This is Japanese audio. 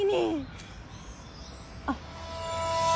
あっ。